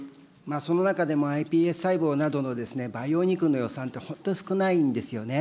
その中でも、ｉＰＳ細胞などの培養肉の予算って本当に少ないんですよね。